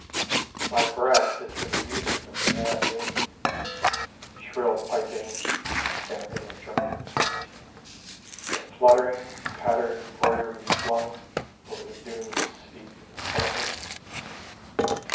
My breath is the music of the mad wind; Shrill piping, stamping of drunken feet, The fluttering, tattered broidery flung Over the dunes' steep escarpments.